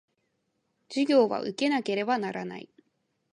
授業は受けなければならない